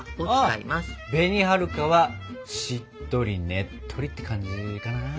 あ紅はるかはしっとりねっとりって感じかな。